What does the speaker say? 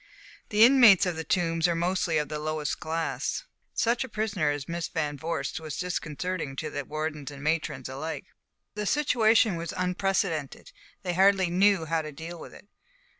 The inmates of The Tombs are mostly of the lowest class. Such a prisoner as Miss Van Vorst was disconcerting to wardens and matrons alike. The situation was unprecedented, they hardly knew how to deal with it.